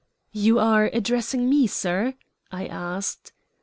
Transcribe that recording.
"You are addressing me, sir?" I asked.